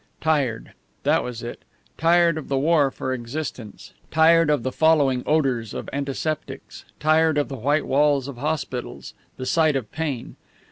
Tired. That was it. Tired of the war for existence; tired of the following odours of antiseptics; tired of the white walls of hospitals, the sight of pain.